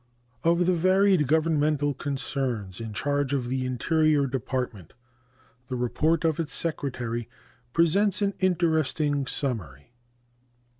Of the varied governmental concerns in charge of the Interior Department the report of its Secretary presents an interesting summary.